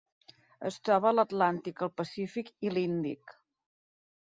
Es troba a l'Atlàntic, el Pacífic i l'Índic.